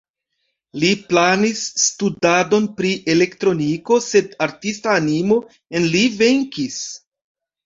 Li planis studadon pri elektroniko, sed artista animo en li venkis.